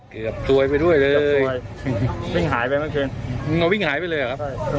เกือบชวยไปด้วยเลยเร่งหายไปเมื่อเช่นมันจะวิ่งหายไปเลยอ่ะครับ